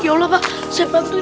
ya allah pak saya bantuin